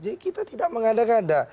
jadi kita tidak mengada gada